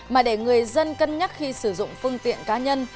mà để người dân cân nhắc khi sử dụng phương tiện cá nhân